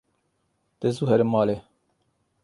De zû here malê.